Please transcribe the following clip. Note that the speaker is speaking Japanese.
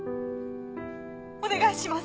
お願いします。